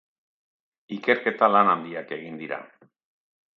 Ikerketa lan handiak egin dira.